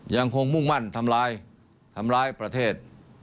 มุ่งมั่นทำร้ายทำร้ายประเทศ